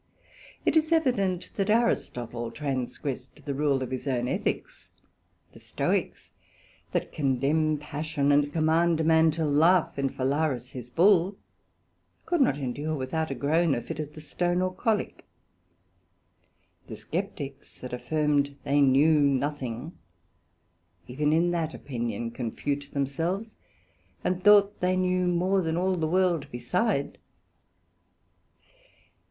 It is evident that Aristotle transgressed the rule of his own Ethicks; the Stoicks that condemn passion, and command a man to laugh in Phalaris his Bull, could not endure without a groan a fit of the Stone or Colick. The Scepticks that affirmed they knew nothing, even in that opinion confute themselves, and thought they knew more than all the World beside.